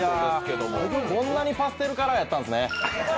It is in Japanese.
こんなにパステルカラーやったんすね。